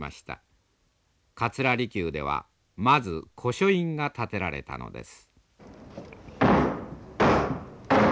桂離宮ではまず古書院が建てられたのです。